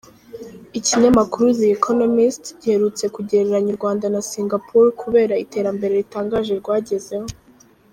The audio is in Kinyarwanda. Ikinyamakuru The Economist giherutse kugereranya u Rwanda na Singapore kubera iterambere ritangaje rwagezeho.